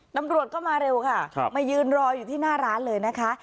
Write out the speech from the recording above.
ตำรวจก็มาเร็วค่ะมายืนรออยู่ที่หน้าร้านเลยนะคะ